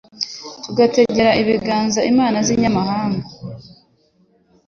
tugategera ibiganza imana z’inyamahanga